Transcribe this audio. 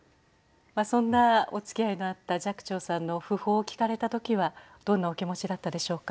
そんなおつきあいのあった寂聴さんの訃報を聞かれた時はどんなお気持ちだったでしょうか。